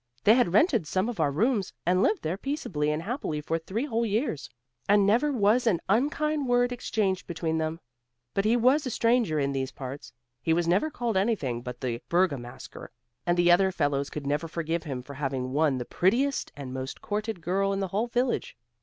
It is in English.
They had rented some of our rooms, and lived there peaceably and happily for three whole years, and never was an unkind word exchanged between them. But he was a stranger in these parts; he was never called anything but the Bergamasker, and the other fellows could never forgive him for having won the prettiest and most courted girl in the whole village.